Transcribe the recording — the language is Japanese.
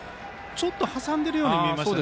挟んでいるように見えましたね